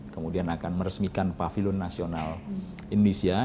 kemudian akan meresmikan pavilion nasional indonesia